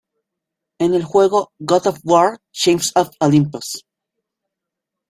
En el juego "God Of War Chains of Olympus".